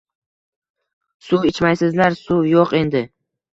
Suv ichmaysizlar, suv yo‘q endi.